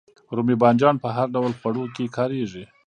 رومی بانجان په هر ډول خوړو کې کاریږي